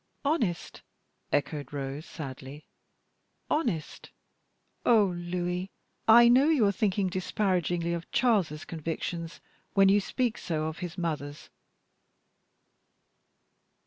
"Honest?" echoed Rose, sadly, "honest? ah, Louis! I know you are thinking disparagingly of Charles's convictions, when you speak so of his mother's."